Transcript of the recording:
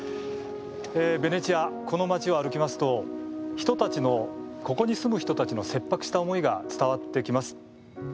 ベネチア、この街を歩きますとここに住む人たちの切迫した思いが伝わってきます。